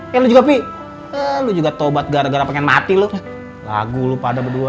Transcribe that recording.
ya lu juga pih lu juga tobat gara gara pengen mati lo lagu lu pada berdua